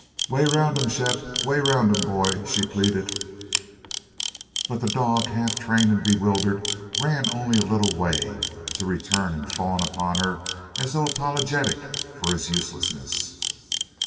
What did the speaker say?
"Way 'round 'em, Shep! Way 'round 'em, boy!" she pleaded. But the dog, half trained and bewildered, ran only a little way, to return and fawn upon her as though apologetic for his uselessness.